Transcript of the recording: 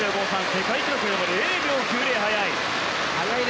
世界記録よりも０秒９４早い。